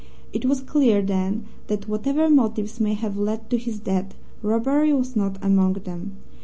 It was clear, then, that whatever motives may have led to his death, robbery was not among them.